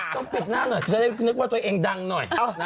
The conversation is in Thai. ต้องปิดหน้าหน่อยจะได้นึกว่าตัวเองดังหน่อย